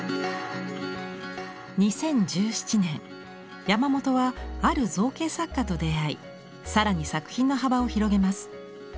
２０１７年山本はある造形作家と出会い更に作品の幅を広げます。